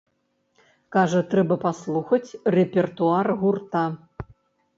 Кажа, трэба паслухаць рэпертуар гурта.